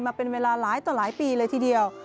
มาเป็นเวลาหลายต่อหลายปีเลยทีเดียว